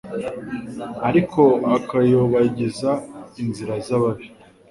ariko akayobagiza inzira z’ababi